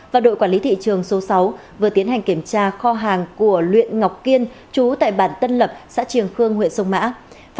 và đội quản lý thị trường số sáu vừa tiến hành kiểm tra kho hàng của công an tỉnh sơn la